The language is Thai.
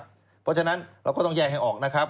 เพราะฉะนั้นเราก็ต้องแยกให้ออกนะครับ